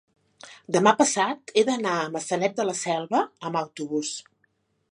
demà passat he d'anar a Maçanet de la Selva amb autobús.